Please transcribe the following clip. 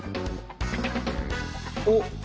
おっ！